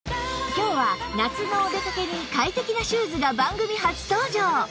今日は夏のお出かけに快適なシューズが番組初登場！